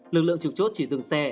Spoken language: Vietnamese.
lực lượng trục chốt chỉ dừng xe